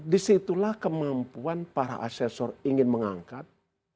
disitulah kemampuan para asesor ingin mengangkat